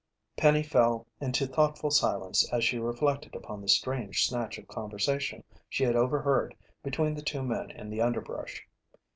Penny fell into thoughtful silence as she reflected upon the strange snatch of conversation she had overheard between the two men in the underbrush.